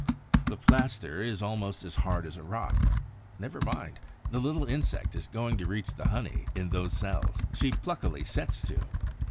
The plaster is almost as hard as a rock. Never mind! The little insect is going to reach the honey in those cells. She pluckily sets to.